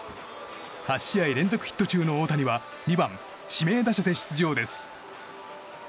８試合連続ヒット中の大谷は２番指名打者で出場です。